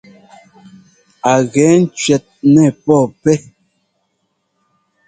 Á gɛ cʉɛt nɛɛ pɔɔpɛ́.